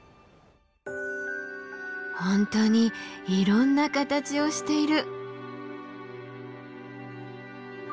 本当にいろんな形をしている。